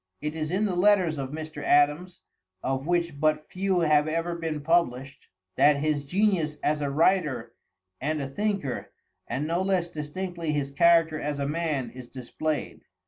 It is in the letters of Mr. Adams, of which but few have ever been published, that his genius as a writer and a thinker, and no less distinctly his character as a man, is displayed.